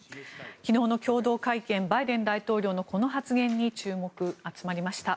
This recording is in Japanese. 昨日の共同会見バイデン大統領のこの発言に注目が集まりました。